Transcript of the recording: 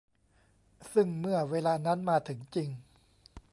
ซึ่งเมื่อเวลานั้นมาถึงจริง